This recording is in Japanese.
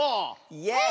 イエイ！